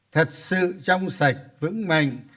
thật sự trong sạch vững mạnh